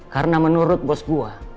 karena menurut bos gue